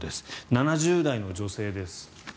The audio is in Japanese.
７０代の女性です。